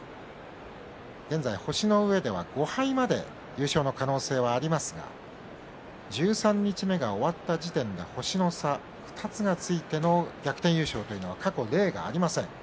現在、星のうえでは５敗まで優勝の可能性はありますが十三日目が終わった時点で星の差２つがついての逆転優勝というのは過去例がありません。